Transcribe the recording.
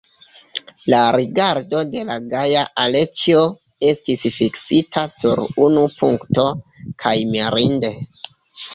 La rigardo de la gaja Aleĉjo estis fiksita sur unu punkto, kaj mirinde!